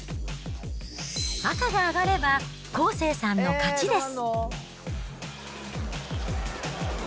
赤が上がれば康生さんの勝ちです。